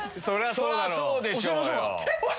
そりゃそうでしょうよ。